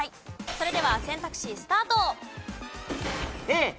それでは選択肢スタート。